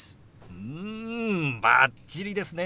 うんバッチリですね。